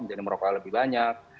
menjadi merokok lebih banyak